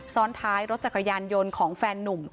ซ้อนท้ายรถจักรยานยนต์ของแฟนนุ่ม